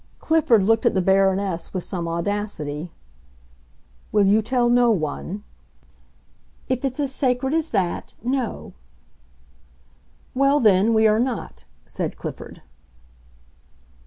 Clifford looked at the Baroness with some audacity. "Will you tell no one?" "If it's as sacred as that—no." "Well, then—we are not!" said Clifford.